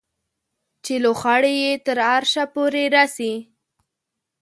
چې لوخړې یې تر عرشه پورې رسي